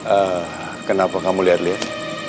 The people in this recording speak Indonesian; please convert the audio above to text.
eh kenapa kamu liat liat